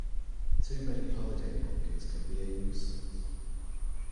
Too many holidaymakers can be a nuisance